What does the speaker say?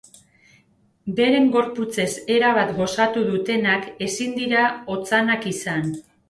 Beren gorputzez erabat gozatu dutenak ezin dira otzanak izan.